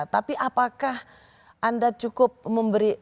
tapi apakah anda cukup memberi